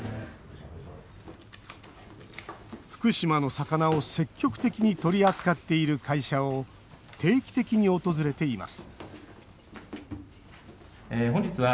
福島の魚を積極的に取り扱っている会社を定期的に訪れています